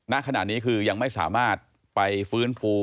ณขณะนี้คือยังไม่สามารถไปฟื้นฟู